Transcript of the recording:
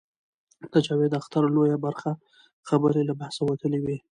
د جاوید اختر لویه برخه خبرې له بحث وتلې وې.